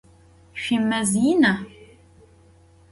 Şüimez yina?